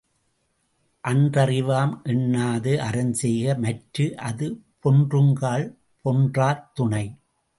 அன்றறிவாம் என்னாது அறஞ்செய்க மற்றுஅது பொன்றுங்கால் பொன்றாத் துணை.